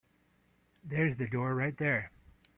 There's the door right there.